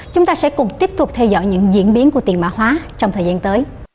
chúng ta sẽ cùng tiếp tục theo dõi những diễn biến của tiền mã hóa trong thời gian tới